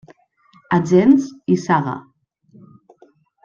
Agents i Saga.